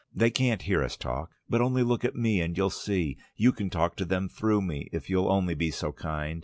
They can't hear us talk. But only look at me, and you'll see...You can talk to them through me, if you'll only be so kind.